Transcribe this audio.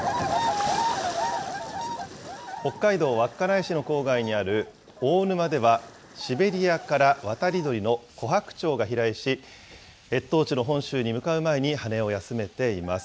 北海道稚内市の郊外にある大沼では、シベリアから渡り鳥のコハクチョウが飛来し、越冬地の本州に向かう前に羽を休めています。